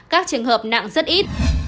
các trường hợp nặng rất ít